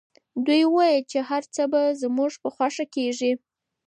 دوی وویل چي هر څه به زموږ په خوښه کیږي.